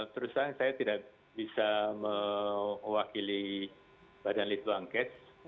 terus saya tidak bisa mewakili badan litbang kemenkes